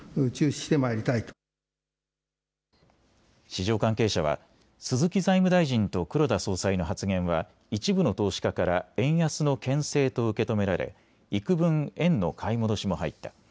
市場関係者は鈴木財務大臣と黒田総裁の発言は一部の投資家から円安のけん制と受け止められいくぶん円の買い戻しも入った。